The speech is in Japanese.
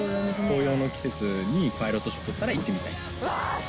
紅葉の季節にパイロット証を取ったら行ってみたい。